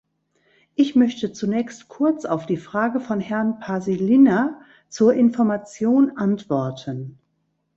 Ich möchte zunächst kurz auf die Frage von Herrn Paasilinna zur Information antworten.